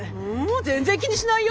全然気にしないよ